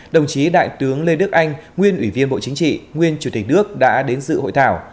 đồng chí đại tướng lê đức anh nguyên ủy viên bộ chính trị nguyên chủ tịch nước đã đến dự hội thảo